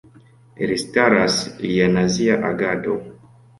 Elstaras lia nazia agado.